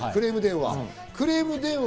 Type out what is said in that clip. クレーム電話。